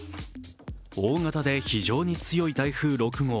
大型で非常に強い台風６号。